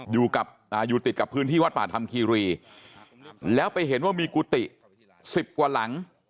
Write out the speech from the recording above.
อยู่ติดกับพื้นที่วัดป่าธรรมคีรีแล้วไปเห็นว่ามีกุฏิสิบกว่าหลัง